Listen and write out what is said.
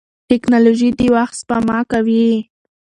ټیکنالوژي د وخت سپما کوي.